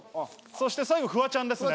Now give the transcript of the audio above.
そして最後フワちゃんですね。